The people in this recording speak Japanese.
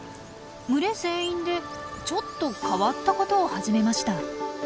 群れ全員でちょっと変わったことを始めました。